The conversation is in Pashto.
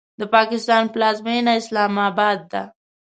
د پاکستان پلازمینه اسلام آباد ده.